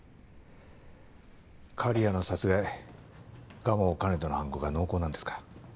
刈谷の殺害蒲生兼人の犯行が濃厚なんですか？